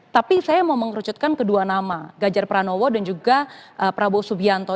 tapi saya mau mengerucutkan kedua nama ganjar pranowo dan juga prabowo subianto